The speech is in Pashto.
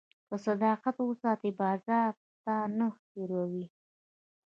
که صداقت وساتې، بازار تا نه هېروي.